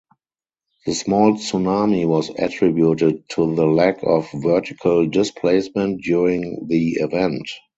The small tsunami was attributed to the lack of vertical displacement during the event.